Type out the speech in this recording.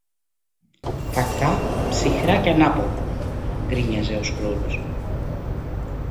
«Κακά, ψυχρά κι ανάποδα...» γκρίνιαζε ο Σκρούτζ.